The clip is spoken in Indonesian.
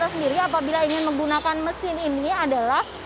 sendiri apabila ingin menggunakan mesin ini adalah